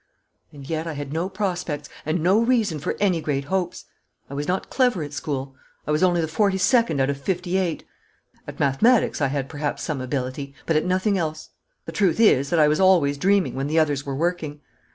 And yet I had no prospects and no reason for any great hopes. I was not clever at school. I was only the forty second out of fifty eight. At mathematics I had perhaps some ability, but at nothing else. The truth is that I was always dreaming when the others were working.